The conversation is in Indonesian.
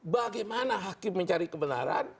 bagaimana hakim mencari kebenaran